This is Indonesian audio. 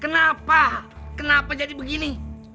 kenapa kenapa jadi begini